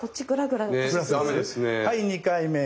はい２回目。